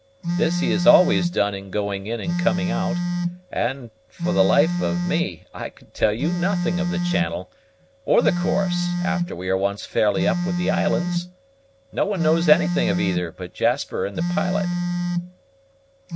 This he has always done in going in and coming out; and, for the life of me, I could tell you nothing of the channel, or the course, after we are once fairly up with the islands. No one knows anything of either but Jasper and the pilot."